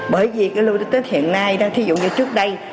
bởi vì cái lưu đích tích hiện nay thí dụ như trước đây